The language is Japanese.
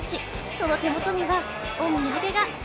その手元にはお土産が。